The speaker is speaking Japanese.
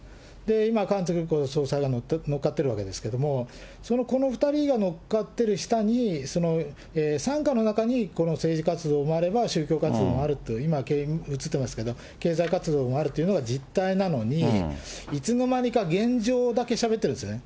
今、韓鶴子が乗っかってるわけですけれども、その２人が乗っかってる下に、傘下の中にこの政治活動もあれば、宗教活動もあると、今、うつってますけど、経済活動があるというのが実態なのに、いつの間にか現状だけしゃべってるんですよね。